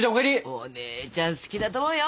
お姉ちゃん好きだと思うよ。